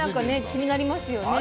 気になりますよね。